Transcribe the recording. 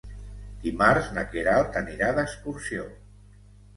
Dimarts na Queralt anirà d'excursió.